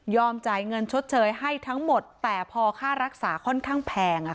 จ่ายเงินชดเชยให้ทั้งหมดแต่พอค่ารักษาค่อนข้างแพง